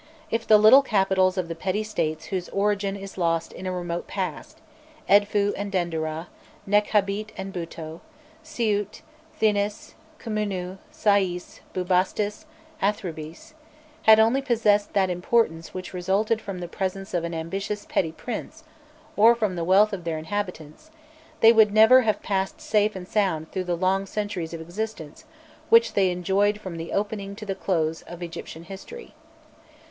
If the little capitals of the petty states whose origin is lost in a remote past Edfû and Denderah, Nekhabît and Bûto, Siûfc, Thinis, Khmûnû, Sais, Bubastis, Athribis had only possessed that importance which resulted from the presence of an ambitious petty prince, or from the wealth of their inhabitants, they would never have passed safe and sound through the long centuries of existence which they enjoyed from the opening to the close of Egyptian history.